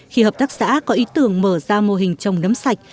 khi hợp tác xã có ý tưởng mở ra mô hình trồng nấm sạch